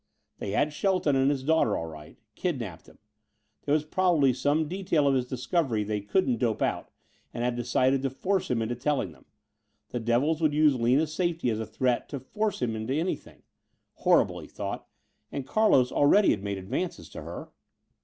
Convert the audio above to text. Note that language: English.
They had Shelton and his daughter, all right. Kidnapped them. There was probably some detail of his discovery they couldn't dope out, and had decided to force him into telling them. The devils would use Lina's safety as a threat to force him into anything. Horrible, that thought. And Carlos already had made advances to her.